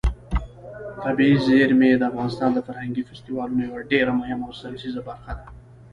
طبیعي زیرمې د افغانستان د فرهنګي فستیوالونو یوه ډېره مهمه او بنسټیزه برخه ده.